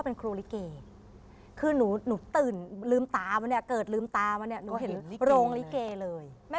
เป็นครูลิเกคือหนูตื่นลืมตามาเนี่ยเกิดลืมตามาเนี่ยหนูเห็นโรงลิเกเลย